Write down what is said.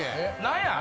何や！